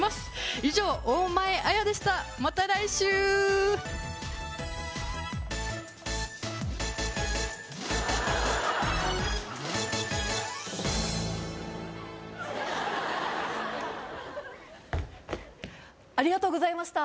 以上大前あやでしたまた来週ありがとうございました